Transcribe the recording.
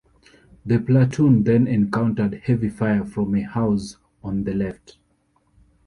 The platoon then encountered heavy fire from a house on the left.